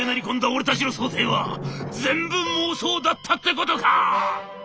俺たちの想定は全部妄想だったってことか。